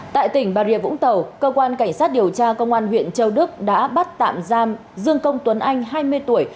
tại tỉnh bà rịa vũng tàu cơ quan cảnh sát điều tra công an huyện châu đức đã bắt tạm giam dương công tuấn anh hai mươi tuổi